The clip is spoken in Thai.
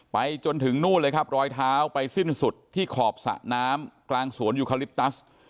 ไปจนถึงนู่นเลยครับรอยเท้าไปสิ้นสุดที่ขอบสระน้ำกลางสวนยูคาลิปตัส